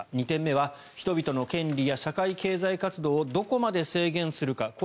２点目は人々の権利や社会経済活動をどこまで制限するか。